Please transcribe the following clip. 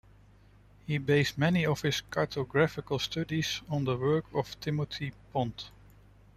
He based many of his cartographical studies on the work of Timothy Pont.